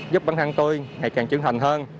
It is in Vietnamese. giúp bản thân tôi ngày càng trưởng thành hơn